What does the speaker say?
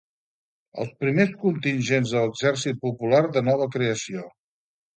Els primers contingents de l'Exèrcit Popular de nova creació.